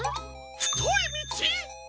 ふといみち！？